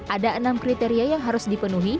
ada enam kriteria yang harus dipenuhi